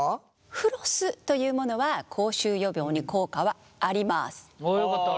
フロスというものは口臭予防に効果はあります。